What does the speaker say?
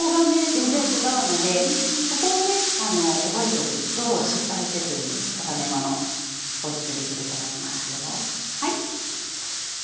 全然違うのでそこをね覚えておくと失敗せずに固めものおいしくできると思いますよ。